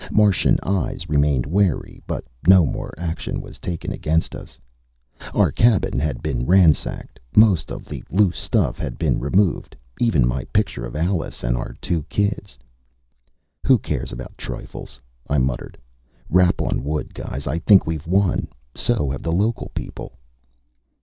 Martian eyes remained wary, but no more action was taken against us. Our cabin had been ransacked. Most of the loose stuff had been removed ... even my picture of Alice, and our two kids. "Who cares about trifles?" I muttered. "Rap on wood, guys I think we've won. So have the local people."